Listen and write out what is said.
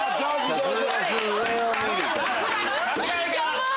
上手！